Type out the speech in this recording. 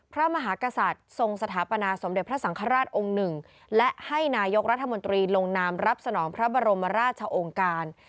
พระมหากษัตริย์ทรงสถาปนาสมเด็จพระสังฆราชองค์หนึ่งและให้นายกรัฐมนตรีลงนามรับสนองพระบรมราชองค์การ